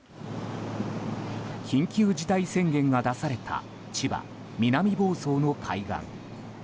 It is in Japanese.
緊急事態宣言が出された千葉・南房総の海岸。